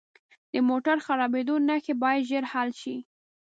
د موټر خرابیدو نښې باید ژر حل شي.